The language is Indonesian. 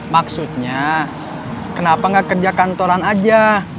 maksudnya kenapa nggak kerja kantoran aja